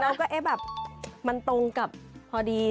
เราก็เอ๊ะแบบมันตรงกับพอดี